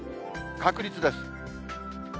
確率です。